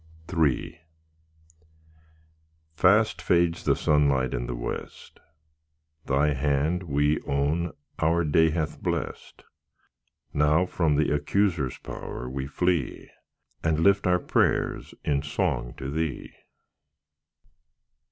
III Fast fades the sunlight in the west; Thy hand we own our day hath blessed; Now from the accuser's power we flee, And lift our prayers in song to Thee.